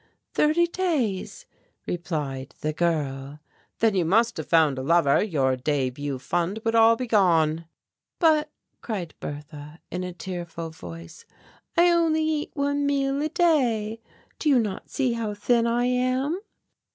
"Thirty days," replied the girl. "Then you must have found a lover, your début fund would all be gone." "But," cried Bertha, in a tearful voice, "I only eat one meal a day do you not see how thin I am?"